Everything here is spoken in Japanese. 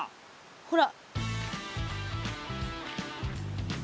ほら！